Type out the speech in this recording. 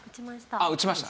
あっ打ちました？